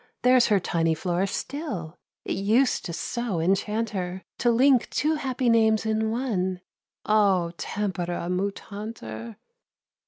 there's her tiny flourish still, It used to so enchant her To link two happy names in one— "O tempora mutantur!"